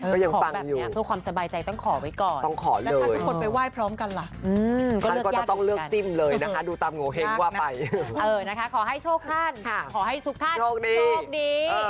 ก็ยังฟังอยู่ต้องขอเลยแล้วท่านทุกคนไปไหว้พร้อมกันล่ะค่ะดูตามโง่เฮ้งว่าไปขอให้โชคท่านขอให้ทุกท่านโชคดี